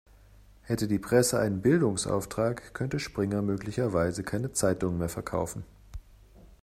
Hätte die Presse einen Bildungsauftrag, könnte Springer möglicherweise keine Zeitungen mehr verkaufen.